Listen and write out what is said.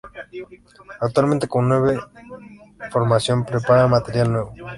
Actualmente, con nueva formación preparan material nuevo.